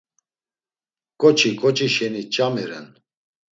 Ǩoçi ǩoçi şeni ç̌ami ren!